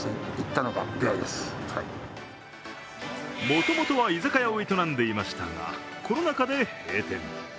もともとは居酒屋を営んでいましたが、コロナ禍で閉店。